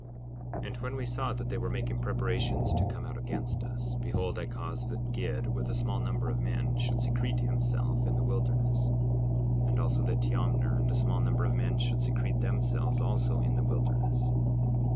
58:16 And when we saw that they were making preparations to come out against us, behold, I caused that Gid, with a small number of men, should secrete himself in the wilderness, and also that Teomner and a small number of men should secrete themselves also in the wilderness.